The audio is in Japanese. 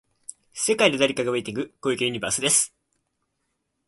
世界で誰かがウェイティング、小池ユニバースです。